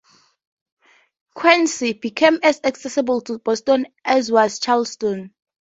Quincy became as accessible to Boston as was Charlestown.